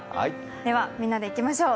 では、みんなでいきましょう。